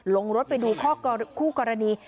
ลงรถไปดูข้อคู่กรณี